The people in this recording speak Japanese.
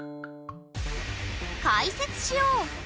解説しよう！